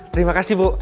terima kasih bu